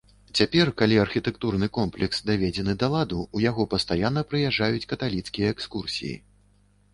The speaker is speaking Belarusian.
Цяпер, калі архітэктурны комплекс даведзены да ладу, у яго пастаянна прыязджаюць каталіцкія экскурсіі.